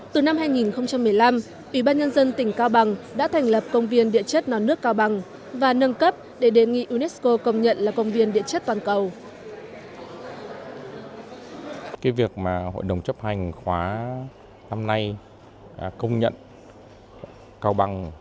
từ năm hai nghìn một mươi năm ubnd tỉnh cao bằng đã thành lập công viên địa chất non nước cao bằng và nâng cấp để đề nghị unesco công nhận là công viên địa chất toàn cầu